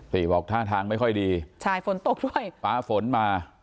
บอกท่าทางไม่ค่อยดีใช่ฝนตกด้วยฟ้าฝนมา